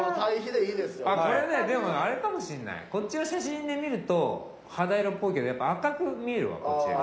こっちの写真で見ると肌色っぽいけどやっぱ赤く見えるわこっち。